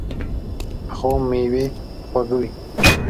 پخو مېوې خواږه وي